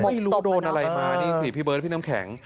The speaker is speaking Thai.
ไม่รู้โดนอะไรมานี่สิพี่เบิร์ดพี่น้ำแข็ง